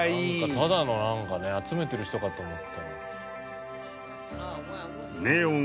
ただの何かね集めてる人かと思った。